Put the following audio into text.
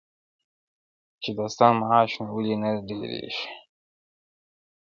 چي دا ستا معاش نو ولي نه ډيريږي,